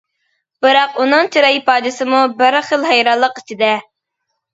بىراق ئۇنىڭ چىراي ئىپادىسىمۇ، بىر خىل ھەيرانلىق ئىچىدە.